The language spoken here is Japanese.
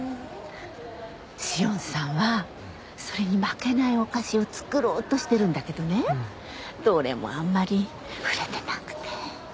紫苑さんはそれに負けないお菓子を作ろうとしてるんだけどねどれもあんまり売れてなくて。